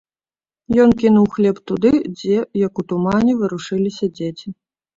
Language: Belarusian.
Ён кінуў хлеб туды, дзе, як у тумане, варушыліся дзеці.